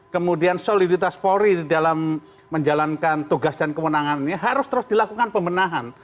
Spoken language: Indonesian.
kemudian soliditas polri dalam menjalankan tugas dan kemenangan ini harus terus dilakukan pemenahan